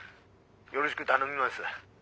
よろしぐ頼みます。